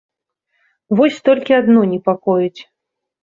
Вось толькі адно непакоіць.